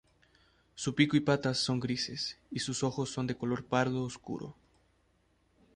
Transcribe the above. Su pico y patas son grises, y sus ojos son de color pardo oscuro.